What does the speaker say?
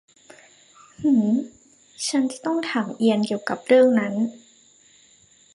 หืม ฉันจะต้องถามเอียนเกี่ยวกับเรื่องนั้น